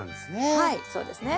はいそうですね。